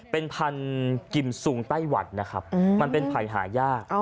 เป็นพันธุ์กิมซุงไต้หวันนะครับมันเป็นไผ่หายาก